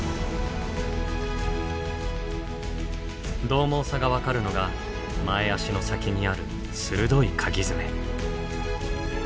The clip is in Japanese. どう猛さが分かるのが前足の先にある鋭いかぎ爪。